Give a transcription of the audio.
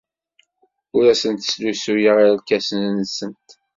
Ur asent-slusuyeɣ irkasen-nsent.